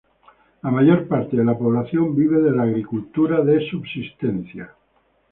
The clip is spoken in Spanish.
La mayor parte de la población vive de la agricultura de subsistencia.